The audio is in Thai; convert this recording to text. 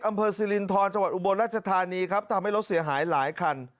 สิรินทรจังหวัดอุบลรัชธานีครับทำให้รถเสียหายหลายคัน